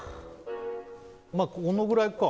まあ、このぐらいか。